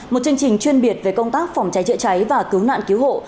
một chương trình chuyên biệt về công tác phòng cháy chữa cháy và cứu nạn cứu hộ